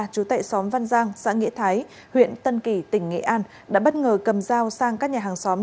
chú tệ xóm văn giang xã nghĩa thái huyện tân kỳ tỉnh nghệ an đã bất ngờ cầm dao sang các nhà hàng xóm